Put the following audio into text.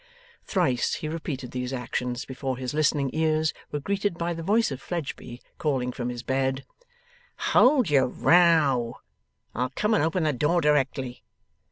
Thrice he repeated these actions before his listening ears were greeted by the voice of Fledgeby, calling from his bed, 'Hold your row! I'll come and open the door directly!